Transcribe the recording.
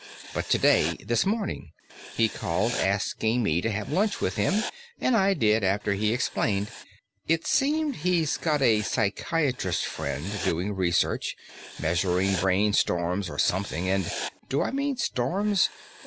But today, this morning, he called asking me to have lunch with him, and I did after he explained. It seems he's got a psychiatrist friend doing research, measuring brain storms or something, and Do I mean storms?